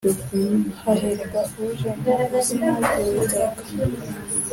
hahirwa uje mu izina ry’Uwiteka